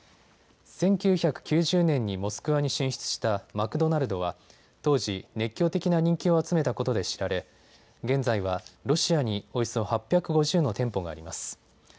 １９９０年にモスクワに進出したマクドナルドは当時、熱狂的な人気を集めたことで知られ現在はロシアにおよそ８５０の店舗があります。